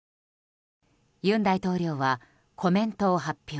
尹大統領はコメントを発表。